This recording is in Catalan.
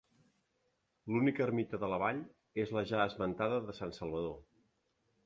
L'única ermita de la vall és la ja esmentada de sant Salvador.